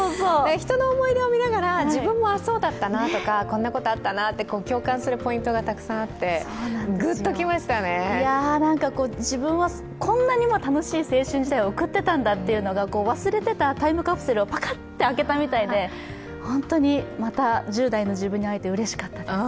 人の思い出を見ながら自分もそうだったなってこんなことあったなって共感するポイントがたくさんあって自分はこんなにも楽しい青春時代を送っていたんだというのが、忘れていたタイムカプセルをパカッと開けたみたいで、また１０代の自分に会えてうれしかった。